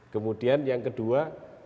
kemudian yang kedua